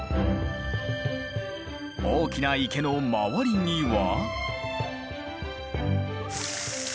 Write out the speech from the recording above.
大きな池の周りには。